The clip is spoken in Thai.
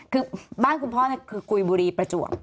คือบ้านคุณพ่อคือกุยบุรีประจวบ